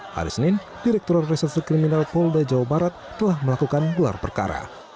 hari senin direkturat reserse kriminal polda jawa barat telah melakukan gelar perkara